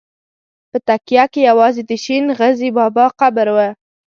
په تکیه کې یوازې د شین غزي بابا قبر و.